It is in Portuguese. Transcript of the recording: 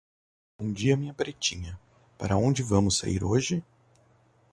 Bom dia minha pretinha, para onde vamos sair hoje?